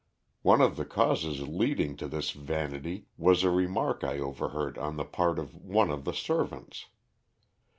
One of the causes leading to this vanity was a remark I overheard on the part of one of the servants.